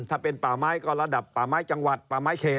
ถ้าเป็นป่าไม้ก็ระดับป่าไม้จังหวัดป่าไม้เขต